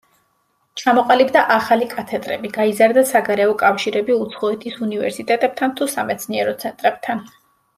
ჩამოყალიბდა ახალი კათედრები, გაიზარდა საგარეო კავშირები უცხოეთის უნივერსიტეტებთან თუ სამეცნიერო ცენტრებთან.